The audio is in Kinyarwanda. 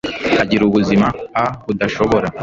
agira ubuzima a budashobora